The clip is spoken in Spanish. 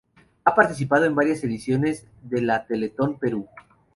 Ha participado en varias ediciones de la Teletón Perú.